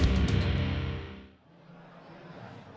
แหลมงานสังหรับภาพบริการ